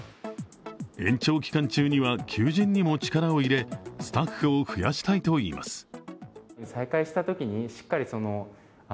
延長期間中には求人にも力を入れスタッフを増やしたいといいます。